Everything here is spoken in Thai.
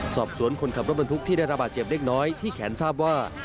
คนขับรถบรรทุกที่ได้ระบาดเจ็บเล็กน้อยที่แขนทราบว่า